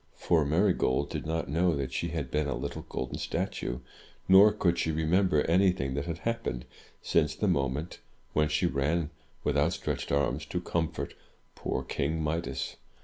*' For Marygold did not know that she had been a Uttle golden statue; nor could she remember anything that had happened since the moment when she ran with out stretched arms to com fort poor King Midas.